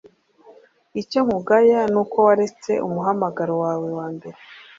icyo nkugaya ni uko waretse umuhamagaro wawe wambere